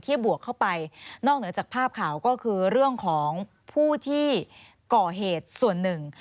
บวกเข้าไปนอกเหนือจากภาพข่าวก็คือเรื่องของผู้ที่ก่อเหตุส่วนหนึ่ง